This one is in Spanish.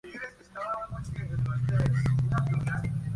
Desde entonces, se conoce dicha casa por la Casa de la Cadena.